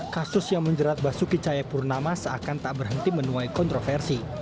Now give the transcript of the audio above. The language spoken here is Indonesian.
kasus yang menjerat basuki cahayapurnama seakan tak berhenti menuai kontroversi